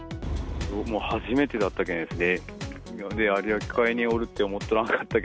もう初めてだったけんですね、有明海におるって思っておら